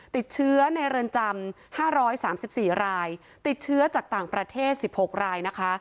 ติดเชื้อในเรือนจำ๕๓๔รายติดเชื้อจากต่างประเทศ๑๖รายนะคะ